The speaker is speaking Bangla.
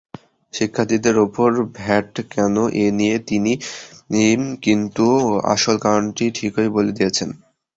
শিক্ষার্থীদের ওপর ভ্যাট কেন—এ নিয়ে তিনি কিন্তু আসল কারণটি ঠিকই বলে দিয়েছেন।